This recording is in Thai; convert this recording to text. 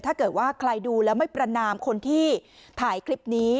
ถ้าเกิดว่าใครดูแล้วไม่ประนามคนที่ถ่ายคลิปนี้